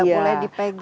tidak boleh dipegang